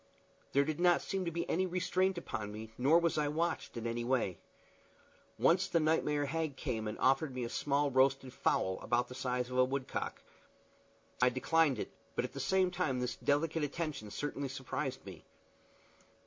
There did not seem to be any restraint upon me, nor was I watched in any way. Once the nightmare hag came and offered me a small roasted fowl, about the size of a woodcock. I declined it, but at the same time this delicate attention certainly surprised me.